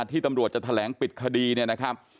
ที่ตำรวจจะแถลงปิดคดีเนี่ยนะครับ